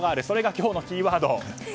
それが今日のキーワード。